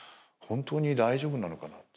本当に大丈夫なのかな？